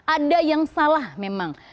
ada yang salah memang